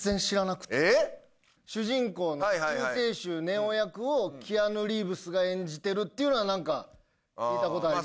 主人公の救世主ネオ役を、キアヌ・リーブスが演じてるっていうのはなんか聞いたことありま